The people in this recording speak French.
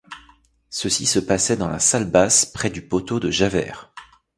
Ceci se passait dans la salle basse près du poteau de Javert.